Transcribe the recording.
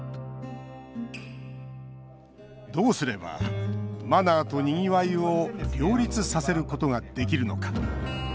どうすればマナーと、にぎわいを両立させることができるのか。